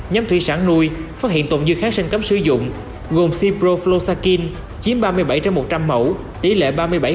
nhóm thủy sản nuôi phát hiện tổn dư khác sân cấm sử dụng gồm ciproflosakin chiếm ba mươi bảy trong một trăm linh mẫu tỷ lệ ba mươi bảy